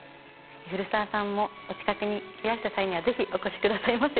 古澤さんもお近くにいらした際にはぜひお越しくださいませ。